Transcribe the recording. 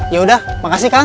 yaudah makasih kang